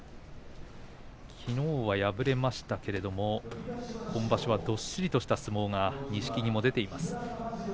きのうは敗れましたが今場所はどっしりとした相撲が錦木にも出ています。